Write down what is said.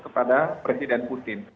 kepada presiden putin